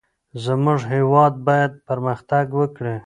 زمونږ هیواد باید پرمختګ وکړي.